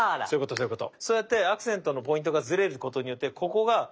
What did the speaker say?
そういうこと。